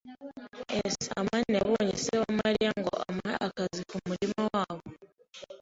[S] amani yabonye se wa Mariya ngo amuhe akazi kumurima wabo.